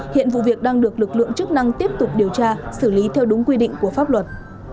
hiện vụ việc đang được lực lượng chức năng tiếp tục điều tra xử lý theo đúng quy định của pháp luật